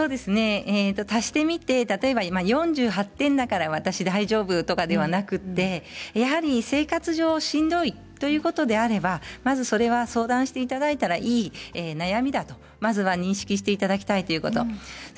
足してみて例えば４８点だから私は大丈夫ということではなくてやはり生活上しんどいということであればまずそれは相談していただいたらいい悩みだとまずは認識していただきたいということ。